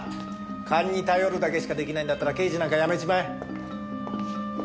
勘に頼るだけしか出来ないんだったら刑事なんか辞めちまえ。